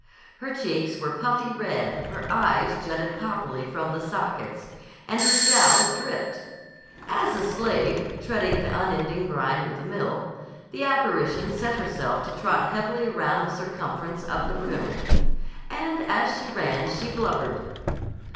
Her cheeks were puffy red, her eyes jutted poppily from the sockets, and her jowls dripped. As a slave, treading the unending grind of the mill, the apparition set herself to trot heavily around the circumference of the room. And as she ran she blubbered.